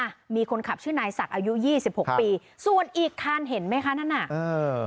อ่ะมีคนขับชื่อนายศักดิ์อายุยี่สิบหกปีส่วนอีกคันเห็นไหมคะนั่นน่ะเออ